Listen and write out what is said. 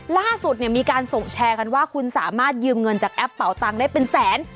ล่าสุดเนี่ยมีการส่งแชร์กันว่าคุณสามารถยืมเงินจากแอปเป่าตังค์ได้เป็นแสน